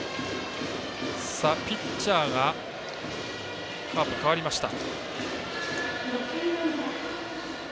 ピッチャーがカープ、代わりました。